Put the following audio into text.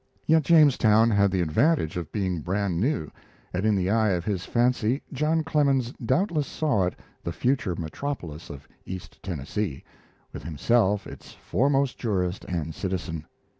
Yet Jamestown had the advantage of being brand new, and in the eye of his fancy John Clemens doubtless saw it the future metropolis of east Tennessee, with himself its foremost jurist and citizen.